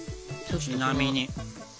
ちなみに。